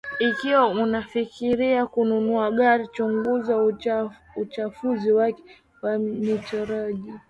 ikiwa unafikiria kununua gari chunguza uchafuzi wake wa nitrojeni